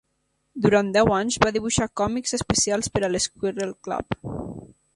Durant deu anys, va dibuixar còmics especials per al Squirrel Club.